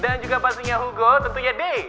dan juga pasangnya hugo tentunya di